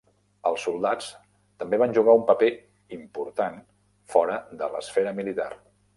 Els soldats també van jugar un paper important fora de l'esfera militar.